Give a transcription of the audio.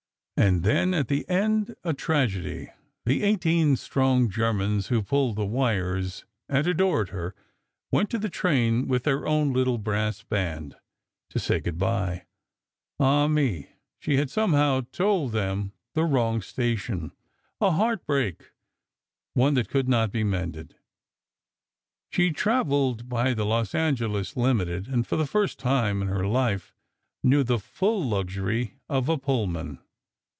And then, at the end, a tragedy: The eighteen strong Germans who pulled the wires, and adored her, went to the train with their own little brass band, to say good bye. Ah, me, she had somehow told them the wrong station ... a heartbreak ... one that could not be mended. She traveled by the Los Angeles Limited, and for the first time in her life, knew the full luxury of a Pullman.